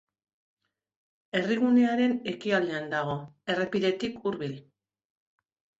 Herrigunearen ekialdean dago, errepidetik hurbil.